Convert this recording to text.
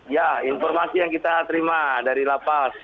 ya informasi yang kita terima dari lapas